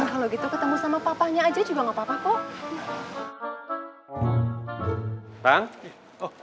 kalau gitu ketemu sama papanya aja juga gak apa apa kok